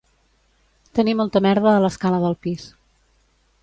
Tenir molta merda a l'escala del pis